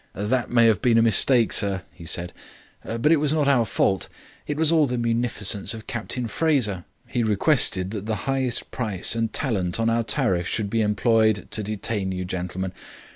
"That may have been a mistake, sir," he said. "But it was not our fault. It was all the munificence of Captain Fraser. He requested that the highest price and talent on our tariff should be employed to detain you gentlemen.